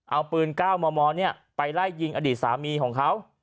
เอาปืนก้าวโมหมอนเนี่ยไปไล่ยิงอดีตสามีของเขา